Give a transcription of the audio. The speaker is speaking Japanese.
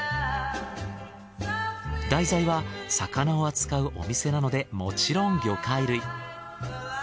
題材は魚を扱うお店なのでもちろん魚介類。